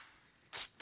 きた！